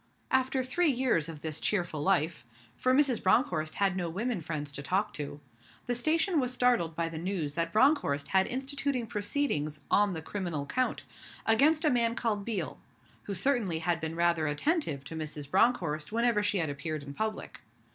After three years of this cheerful life for Mrs. Bronckhorst had no women friends to talk to the station was startled by the news that Bronckhorst had instituted proceedings on the criminal count, against a man called Biel, who certainly had been rather attentive to Mrs. Bronckhorst whenever she had appeared in public.